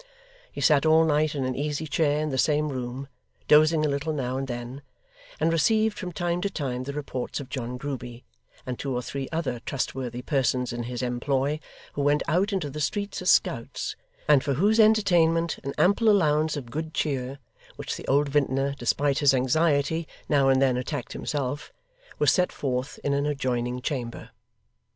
He sat all night in an easy chair in the same room dozing a little now and then and received from time to time the reports of John Grueby and two or three other trustworthy persons in his employ, who went out into the streets as scouts; and for whose entertainment an ample allowance of good cheer (which the old vintner, despite his anxiety, now and then attacked himself) was set forth in an adjoining chamber.